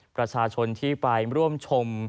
ประชาชนที่ไปร่วมชม